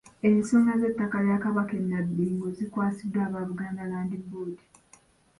Ensonga z'ettaka lya Kabaka e Nabbingo zikwasiddwa aba Buganda Land Board.